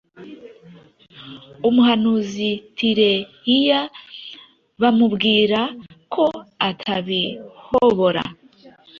umuhanuzi Tireiya bamubwira ko atabihobora